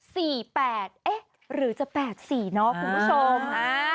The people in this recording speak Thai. สี่แปดเอ๊ะหรือจะแปดสี่เนาะคุณผู้ชม